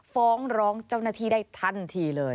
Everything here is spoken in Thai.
ฟ้องร้องเจ้าหน้าที่ได้ทันทีเลย